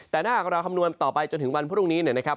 แต่ถ้าหากเราคำนวณต่อไปจนถึงวันพรุ่งนี้นะครับ